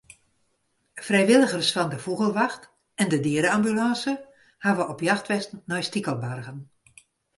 Frijwilligers fan de Fûgelwacht en de diere-ambulânse hawwe op jacht west nei stikelbargen.